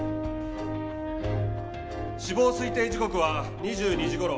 死亡推定時刻は２２時頃。